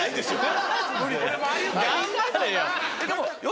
頑張れよ。